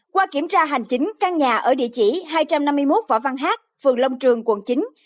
qua kiểm tra hành chính căn nhà ở địa chỉ hai trăm năm mươi một võ văn hát phường lông trường quận chín